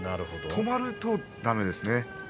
止まるとだめですね。